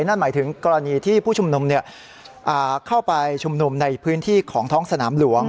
นั่นหมายถึงกรณีที่ผู้ชุมนุมเข้าไปชุมนุมในพื้นที่ของท้องสนามหลวง